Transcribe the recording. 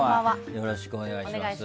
よろしくお願いします。